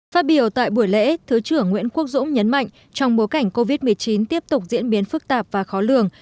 phát biểu tại buổi lễ thứ trưởng nguyễn quốc dũng nhấn mạnh trong bối cảnh covid một mươi chín tiếp tục diễn biến phức tạp và khó lường